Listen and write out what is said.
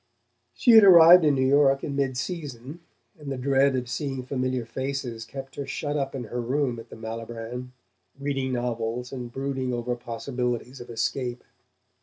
She had arrived in New York in midseason, and the dread of seeing familiar faces kept her shut up in her room at the Malibran, reading novels and brooding over possibilities of escape.